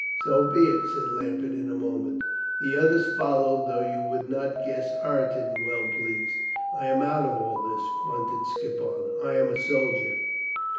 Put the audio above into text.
"So be it!" said Lambert in a moment The others followed, though you would not guess Ireton well pleased. "I am out of all this," grunted Skippon. "I am a soldier."